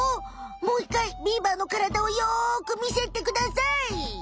もういっかいビーバーの体をよくみせてください！